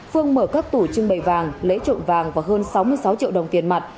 phương mở các tủ trưng bày vàng lấy trộm vàng và hơn sáu mươi sáu triệu đồng tiền mặt